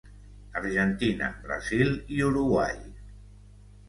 Argentina, Brasil i Uruguai.